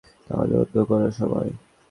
তাহলে অন্য কোনো সময়?